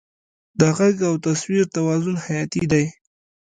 د غږ او تصویر توازن حیاتي دی.